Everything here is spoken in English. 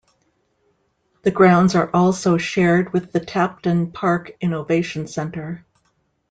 The grounds are also shared with the Tapton Park Innovation Centre.